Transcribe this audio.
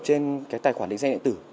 trên cái tài khoản định danh điện tử